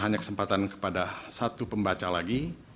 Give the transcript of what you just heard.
hanya kesempatan kepada satu pembaca lagi